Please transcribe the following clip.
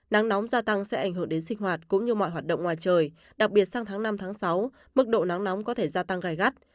nắng nóng gia tăng sẽ ảnh hưởng đến sinh hoạt cũng như mọi hoạt động ngoài trời đặc biệt sang tháng năm tháng sáu mức độ nắng nóng có thể gia tăng gai gắt